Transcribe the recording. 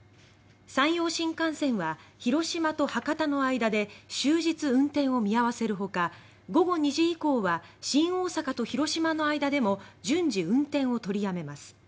山陽新幹線は広島と博多の間で終日運転を見合わせるほか午後２時以降は新大阪と広島の間でも順次、運転を取りやめます。